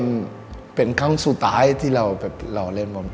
ไปเป็นคำสุดท้ายที่เราเล่นบน